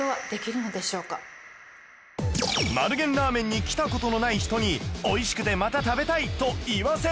丸源ラーメンに来た事のない人に美味しくて「また食べたい」と言わせたい！